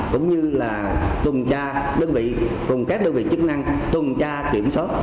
cũng như là tuần tra đơn vị cùng các đơn vị chức năng tuần tra kiểm soát